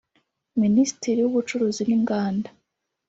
Mnisitiri w’Ubucuruzi n’Inganda